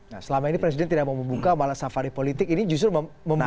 nah selama ini presiden tidak mau membuka malah safari politik ini justru membantu